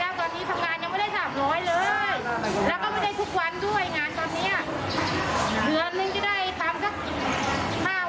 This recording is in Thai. แล้วก็ไม่ได้ทุกวันด้วยงานตอนเนี้ยเผื่อมึงจะได้ตามสัก